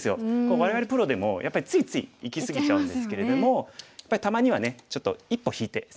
我々プロでもやっぱりついついいき過ぎちゃうんですけれどもやっぱりたまにはねちょっと一歩引いて攻めるのがいいですよね。